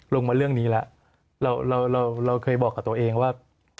ลงมาเรื่องนี้ละเราเคยบอกกับตัวเองว่า